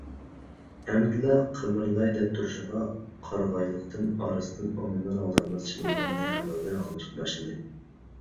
ئەمدىلا قىمىرلاي دەپ تۇرۇشىغا، قارىغايلىقنىڭ ئارقىسىدىن ئاڭلىنار - ئاڭلانماس چېلىنغان نەي ئاۋازى ئاڭلىنىشقا باشلىدى.